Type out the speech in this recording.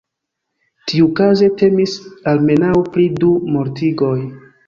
Tiukaze temis almenaŭ pri du mortigoj.